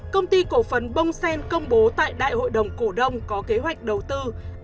công ty cổ phần bongsen công bố tại đại hội đồng cổ đông có kế hoạch đầu tư